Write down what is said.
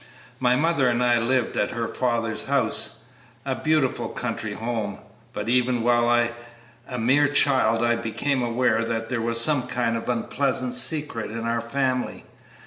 My mother and I lived at her father's house a beautiful country home; but even while a mere child I became aware that there was some kind of an unpleasant secret in our family.